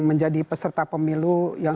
menjadi peserta pemilu yang